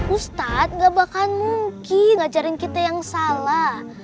ustadz gak bakalan mungkin ngajarin kita yang salah